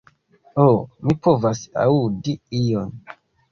Ho, mi povas aŭdi ion.